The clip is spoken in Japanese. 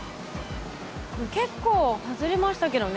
結構外れましたけどね。